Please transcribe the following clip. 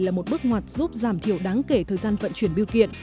là một bước ngoặt giúp giảm thiểu đáng kể thời gian vận chuyển biêu kiện